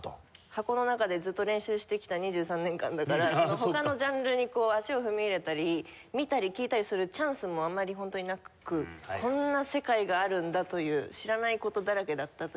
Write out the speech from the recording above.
箱の中でずっと練習してきた２３年間だから他のジャンルに足を踏み入れたり見たり聴いたりするチャンスもあんまりホントになくこんな世界があるんだという知らない事だらけだったという。